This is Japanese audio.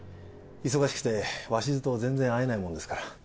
忙しくて鷲津と全然会えないもんですから。